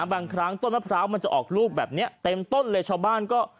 บางครั้งต้นมะพร้าวมันจะออกลูกแบบนี้เต็มต้นเลยชาวบ้านก็